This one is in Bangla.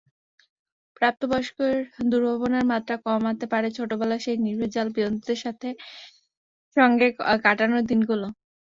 প্রাপ্তবয়স্কের দুর্ভাবনার মাত্রা কমাতে পারে ছোটবেলার সেই নির্ভেজাল বন্ধুদের সঙ্গে কাটানো দিনগুলো।